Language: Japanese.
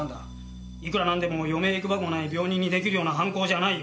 いくらなんでも余命いくばくもない病人に出来るような犯行じゃないよ。